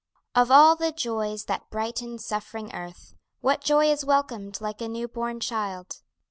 Of all the joys that brighten suffering earth What joy is welcomed like a new born child?